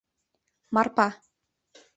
Марпа.